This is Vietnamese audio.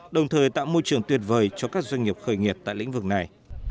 đồng thời tạo môi trường tuyệt vời cho các doanh nghiệp khởi nghiệp tại lĩnh vực này